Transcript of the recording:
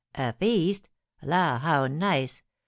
"A feast? La, how nice!